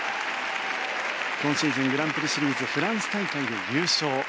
今シーズン、グランプリシリーズフランス大会で優勝。